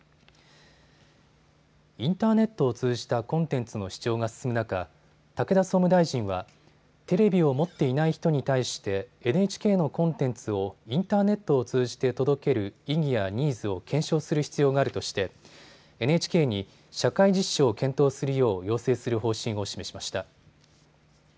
インターネットを通じたコンテンツの視聴が進む中、武田総務大臣はテレビを持っていない人に対してＮＨＫのコンテンツをインターネットを通じて届ける意義やニーズを検証する必要があるとしてＮＨＫに社会実証を検討するよう要請する方針を示しました。